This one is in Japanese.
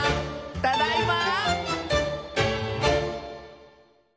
「ただいま」